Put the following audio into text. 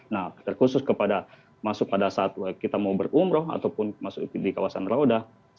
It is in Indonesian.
nah terkhusus kepada masuk pada saat kita mau berumroh ataupun masuk di kawasan roda